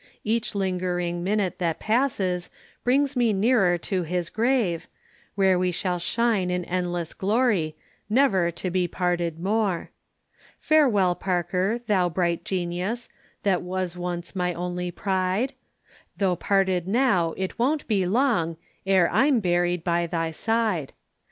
Each lingering minute that passes Brings me nearer to his grave, Where we shall shine in endless glory, Never to be parted more. Farewell Parker, thou bright genius, That was once my only pride; Tho' parted now it won't be long E'er I'm buried by thy side.